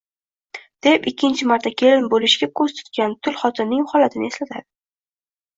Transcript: — deb ikkinchi marta kelin bo'lishga ko'z tutgan tul xotinning holatini eslatadi.